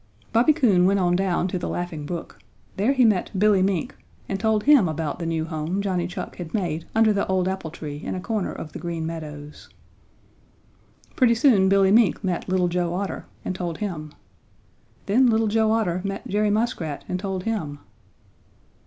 Bobby Coon went on down to the Laughing Brook. There he met Billy Mink and told him about the new home Johnny Chuck had made under the old apple tree in a corner of the Green Meadows. Pretty soon Billy Mink met Little Joe Otter and told him. Then Little Joe Otter met Jerry Muskrat and told him.